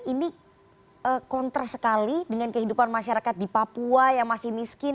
ini kontra sekali dengan kehidupan masyarakat di papua yang masih miskin